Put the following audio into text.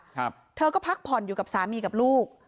ครับเธอก็พักผ่อนอยู่กับสามีกับลูก